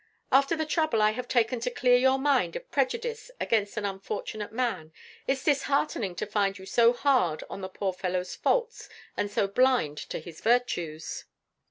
After the trouble I have taken to clear your mind of prejudice against an unfortunate man, it's disheartening to find you so hard on the poor fellow's faults and so blind to his virtues."